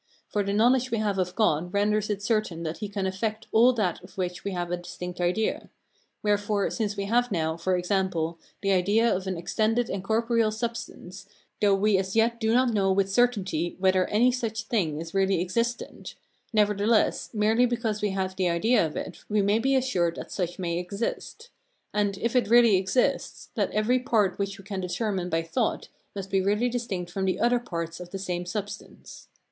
For the knowledge we have of God renders it certain that he can effect all that of which we have a distinct idea: wherefore, since we have now, for example, the idea of an extended and corporeal substance, though we as yet do not know with certainty whether any such thing is really existent, nevertheless, merely because we have the idea of it, we may be assured that such may exist; and, if it really exists, that every part which we can determine by thought must be really distinct from the other parts of the same substance.